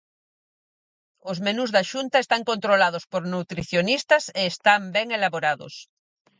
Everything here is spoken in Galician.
Os menús da Xunta están controlados por nutricionistas e están ben elaborados.